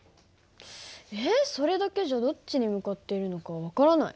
えっそれだけじゃどっちに向かっているのか分からない。